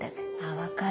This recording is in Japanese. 分かる。